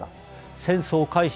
戦争開始